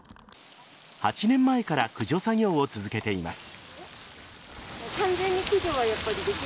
８年前から駆除作業を続けています。